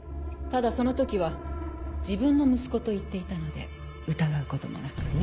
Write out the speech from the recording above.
ただその時は自分の息子と言っていたので疑うこともなく。